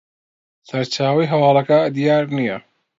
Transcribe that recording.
سەرچاوەی هەواڵەکە دیار نییە